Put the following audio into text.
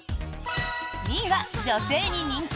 ２位は、女性に人気！